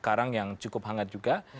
karang yang cukup hangat juga